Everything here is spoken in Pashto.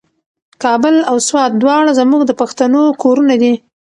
کابل او سوات دواړه زموږ د پښتنو کورونه دي.